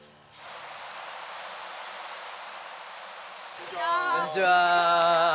こんにちは！